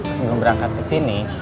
sebelum berangkat kesini